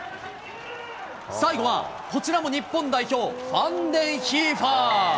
最後はこちらも日本代表、ファンデンヒーファー。